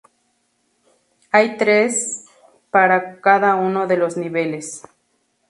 Hay tres para cada uno de los niveles.